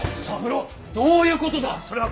三郎どういうことだ！